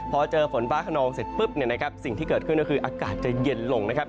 พอเจอฝนฟ้าขนองเสร็จปุ๊บเนี่ยนะครับสิ่งที่เกิดขึ้นก็คืออากาศจะเย็นลงนะครับ